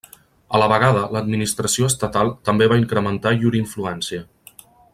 A la vegada l'administració estatal també va incrementar llur influència.